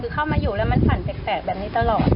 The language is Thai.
เข้ามาอยู่แล้วฝันแปลกแบบนี้ตลอด